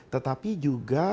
tetapi juga adalah